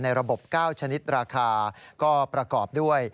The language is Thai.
ระบบ๙ชนิดราคาก็ประกอบด้วย